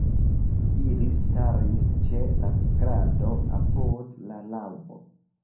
Ili staris ĉe la krado, apud la laŭbo.